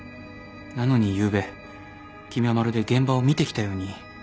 なのにゆうべ君はまるで現場を見てきたように。